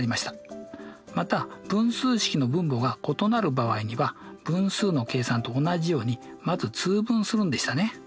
また分数式の分母が異なる場合には分数の計算と同じようにまず通分するんでしたね。